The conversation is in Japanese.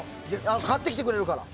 買ってきてくれるから。